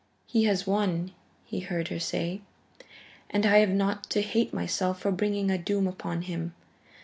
"He has won," he heard her say, "and I have not to hate myself for bringing a doom upon him.